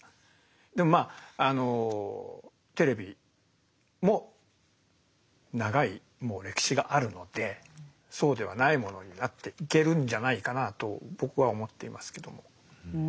でもまああのテレビも長いもう歴史があるのでそうではないものになっていけるんじゃないかなと僕は思っていますけども。